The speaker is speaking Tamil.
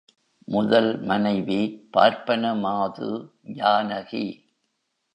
முதல் மனைவி பார்ப்பன மாது, ஜானகி.